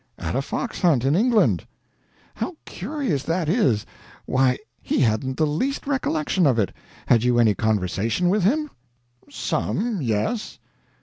"At a fox hunt, in England." "How curious that is. Why, he hadn't the least recollection of it. Had you any conversation with him?" "Some yes."